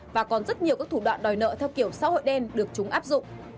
và còn rất nhiều các thủ đoạn đòi nợ theo kiểu xã hội đen được chúng áp dụng